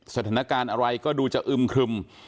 สถานการณ์อะไรก็ดูจะอึมครึม